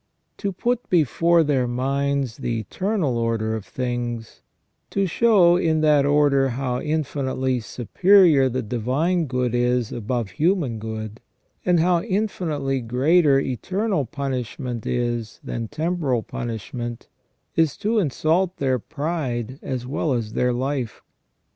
To put before their minds the eternal order of things, to show in that order how infinitely superior the divine good is above human good, and how infinitely greater eternal punishment is than temporal punish ment, is to insult their pride as well as their life.